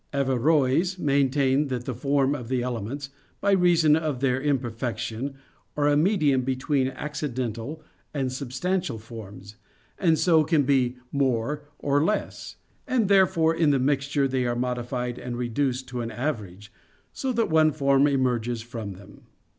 Averroes maintained that the forms of elements, by reason of their imperfection, are a medium between accidental and substantial forms, and so can be "more" or "less"; and therefore in the mixture they are modified and reduced to an average, so that one form emerges from them.